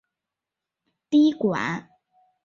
滴管是实验室中用于转移少量液体的器皿。